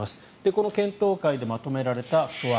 この検討会でまとめられた素案。